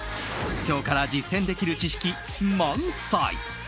今日から実践できる知識満載。